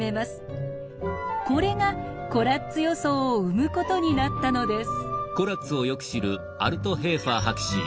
これがコラッツ予想を生むことになったのです。